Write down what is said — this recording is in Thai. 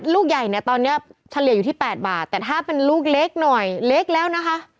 ลูกใหญ่เนี่ยตอนนี้เฉลี่ยอยู่ที่๘บาทแต่ถ้าเป็นลูกเล็กหน่อยเล็กแล้วนะคะ